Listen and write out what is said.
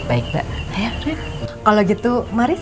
kayanya ini orang bush trois